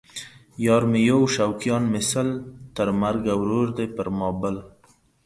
یار مې یو شوقیان مې سل ـ تر مرګه ورور دی پر ما بل